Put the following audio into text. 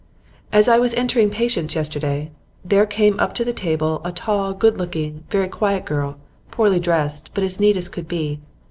'As I was entering patients yesterday, there came up to the table a tall, good looking, very quiet girl, poorly dressed, but as neat as could be.